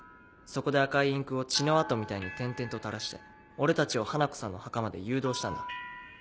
そこで赤いインクを血の痕みたいに点々と垂らして俺たちを花子さんの墓まで誘導したんだ。